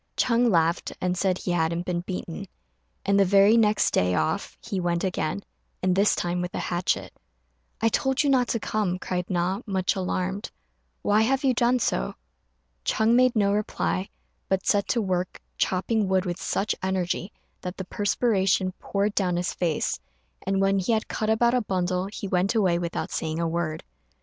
Ch'êng laughed, and said he hadn't been beaten; and the very next day off he went again, and this time with a hatchet. "I told you not to come," cried Na, much alarmed; "why have you done so?" Ch'êng made no reply, but set to work chopping wood with such energy that the perspiration poured down his face; and when he had cut about a bundle he went away without saying a word.